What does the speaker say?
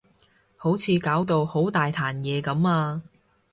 好似搞到好大壇嘢噉啊